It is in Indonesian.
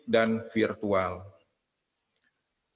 dan secara ekonomi dan rekan rekan wartawan